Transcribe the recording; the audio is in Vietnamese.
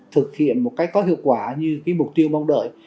thực hiện một cách có hiệu quả như mục tiêu mong đợi